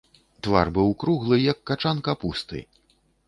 Твар быў круглы, як качан капусты.